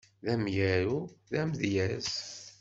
D amyaru, d amdyaz.